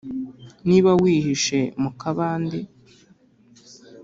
niba wihishe mu kabande